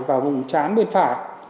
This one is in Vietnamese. và vùng chán bên phải